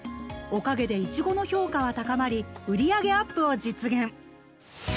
おかげでいちごの評価は高まり売り上げＵＰを実現。